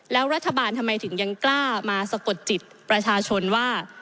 แล้วรัฐบาลทำไมถึงยังกล้ามาสะกดจิตประชาชนว่า